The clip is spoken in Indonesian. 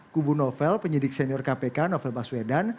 kubu novel penyidik senior kpk novel baswedan